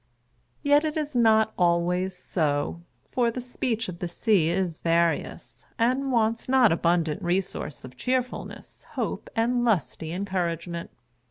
Yet it is not always so, for the speech of the sea is various, and wants not abundant resource of cheerfulness, hope, and lusty encouragement.